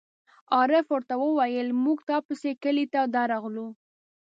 عارف ور ته وویل: مونږ تا پسې کلي ته درغلو.